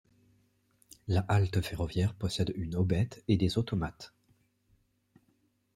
La halte ferroviaire possède une aubette et des automates.